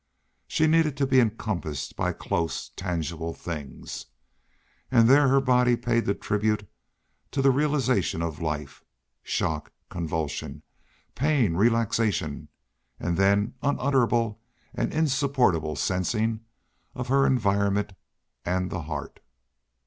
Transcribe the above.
She needed to be encompassed by close, tangible things. And there her body paid the tribute to the realization of life. Shock, convulsion, pain, relaxation, and then unutterable and insupportable sensing of her environment and the heart!